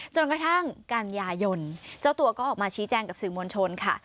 จนกระทั่งกันยายนเจ้าตัวก็ออกมาชี้แจงกับสื่อมวลชนค่ะ